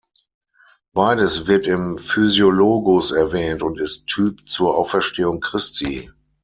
Beides wird im Physiologus erwähnt und ist Typ zur Auferstehung Christi.